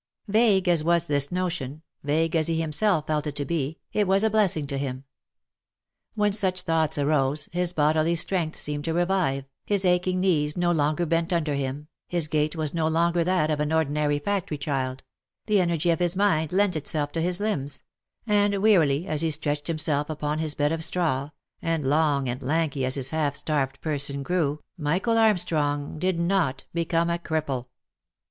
Vague as was this notion, vague as he himself felt it to be, it was a blessing to him. When such thoughts arose, his bodily strength seemed to revive, his aching knees no longer bent under him, his gait was no longer that of an ordinary factory child, the energy'of his mind lent itself to his limbs, and wearily as he stretched himself upon his bed of straw, and long and lanky as his half starved person grew, Michael Armstrong did not become a cripple.